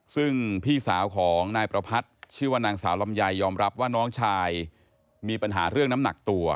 ซึ่งพี่สาวของนายประพัทธ์ชื่อว่านางสาวลำไยยอมรับว่าน้องชายมีปัญหาเรื่องน้ำหนักตัว